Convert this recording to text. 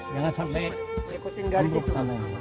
jangan sampai ikutin garis